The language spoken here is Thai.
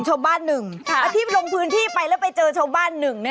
แถมเอาแถมนี้อีกแหละ